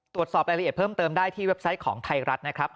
ตรวจสอบรายละเอียดเพิ่มเติมได้ที่เว็บไซต์ของไทยรัฐนะครับ